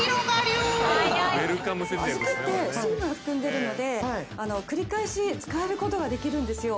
小豆って水分含んでるので繰り返し使えることができるんですよ。